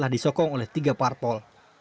dan disokong oleh tiga partol